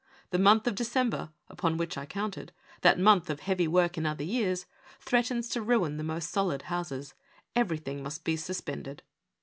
The month of December, upon which I counted, that month of heavy work in other years, threatens to ruin the most solid houses. Everything must be suspended."